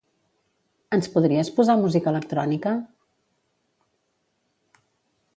Ens podries posar música electrònica?